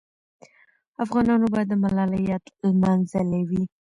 افغانانو به د ملالۍ یاد لمانځلی وي.